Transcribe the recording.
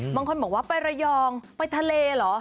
บางคนบอกว่าไประยองไปทะเลเหรอ